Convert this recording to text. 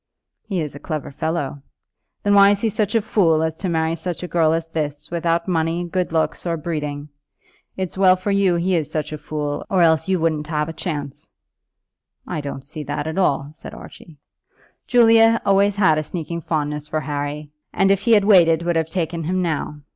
"He is a clever fellow." "Then why is he such a fool as to marry such a girl as this, without money, good looks, or breeding? It's well for you he is such a fool, or else you wouldn't have a chance." "I don't see that at all," said Archie. "Julia always had a sneaking fondness for Harry, and if he had waited would have taken him now.